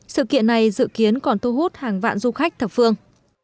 sự kiện này dự kiến còn thu hút hàng vạn du khách thập phương